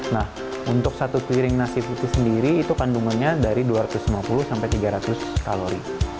nah untuk satu piring nasi putih sendiri itu kandungannya dari dua ratus lima puluh sampai tiga ratus kalori